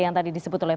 yang tadi disebut oleh